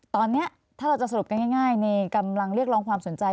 ตอนนี้ถ้าแล้วกันกลับลงความสนใจ